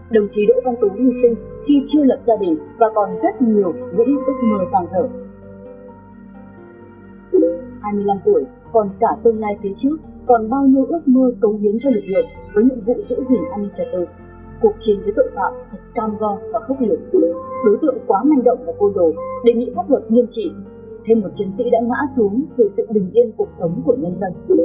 đề nghị pháp luật nghiêm trị thêm một chiến sĩ đã ngã xuống về sự bình yên cuộc sống của nhân dân